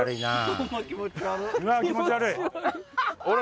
気持ち悪いな。